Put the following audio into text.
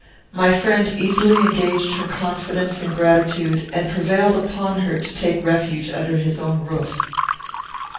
My friend easily engaged her confidence and gratitude, and prevailed upon her to take refuge under his own roof.